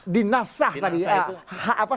dinasah tadi ya